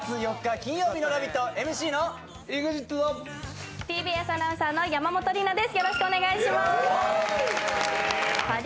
金曜日の「ラヴィット！」、ＭＣのＥＸＩＴとＴＢＳアナウンサーの山本里菜です。